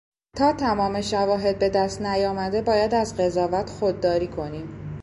تا تمام شواهد بهدست نیامده باید از قضاوت خود داری کنیم.